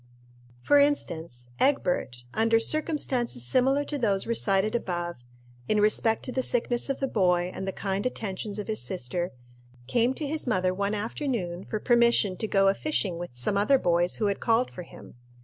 For instance, Egbert, under circumstances similar to those recited above in respect to the sickness of the boy, and the kind attentions of his sister came to his mother one afternoon for permission to go a fishing with some other boys who had called for him.